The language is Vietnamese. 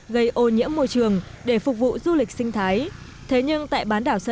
gây ô nhiễm môi trường để phục vụ du lịch sinh thái